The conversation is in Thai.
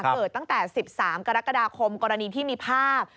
ตั้งแต่๑๓กรกฎาคมกรณีที่มีภาพ